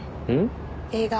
映画。